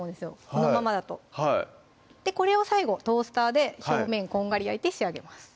このままだとこれを最後トースターで表面こんがり焼いて仕上げます